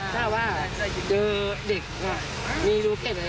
ถ้าว่าเดินเด็กเนอะ